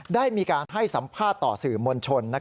ได้มีการให้สัมภาษณ์ต่อสื่อมวลชน